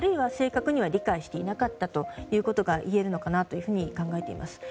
正確には理解していなかったということが言えるのかなと考えています。